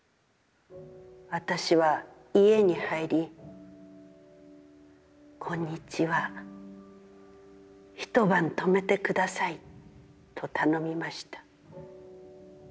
私は家に入り、『こんにちは、一晩泊めてください』と頼みました。